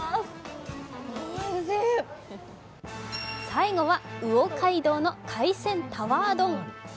最後は魚街道の海鮮タワー丼。